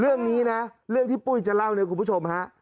เรื่องนี้นะเรื่องที่ปุ้ยจะเล่าเนี่ยคุณผู้ชมฮะ